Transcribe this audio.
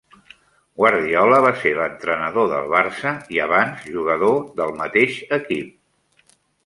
Guardiola va ser l'entrenador del Barça i abans jugador del mateix equip.